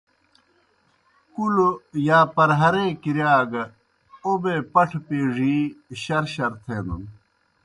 کُلوْ یا پرہارے کِرِیا گہ اوبے پٹھہ پیڙِی شَر شَر تھینَن۔